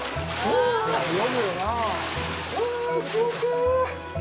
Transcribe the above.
あ、気持ちいい！